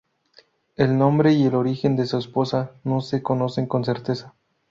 El nombre y el origen de su esposa no se conocen con certeza.